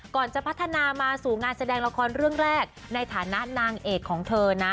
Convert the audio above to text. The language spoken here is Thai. ก่อนจะพัฒนามาสู่งานแสดงละครเรื่องแรกในฐานะนางเอกของเธอนะ